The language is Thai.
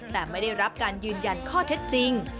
แต่ไม่ได้รับการยืนยันข้อเท็จจริง